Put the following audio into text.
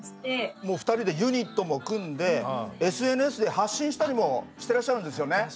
もう２人でユニットも組んでＳＮＳで発信したりもしてらっしゃるんですよね？